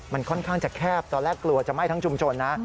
มันค่อนข้างจะแคบตอนแรกกลัวจะไหม้ทั้งชุมชนนะ